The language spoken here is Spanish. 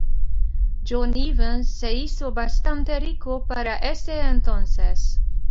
John Evans se hizo bastante rico para ese entonces.